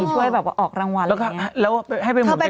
ช่วยออกรางวัลอะไรอย่างนี้